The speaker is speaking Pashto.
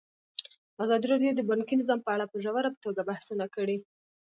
ازادي راډیو د بانکي نظام په اړه په ژوره توګه بحثونه کړي.